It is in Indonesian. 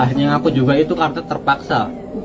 akhirnya ngaku juga itu karena terpaksa